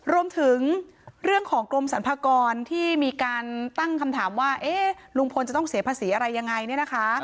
รวมถึงเรื่องของกรมสรรพากรที่มีการตั้งคำถามว่าเอ๊ะลุงพลจะต้องเสียภาษีอะไรยังไงเนี่ยนะคะ